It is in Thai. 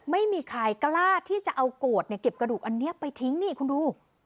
ไม่มีใครกล้าที่จะเอาโกรธเนี่ยเก็บกระดูกอันนี้ไปทิ้งนี่คุณดู